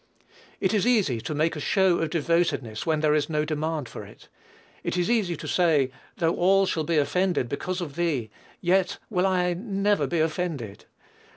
It is easy to make a show of devotedness when there is no demand for it. It is easy to say, "though all shall be offended because of thee, yet will I never be offended